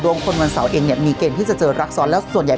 คนวันเสาร์เองเนี่ยมีเกณฑ์ที่จะเจอรักซ้อนแล้วส่วนใหญ่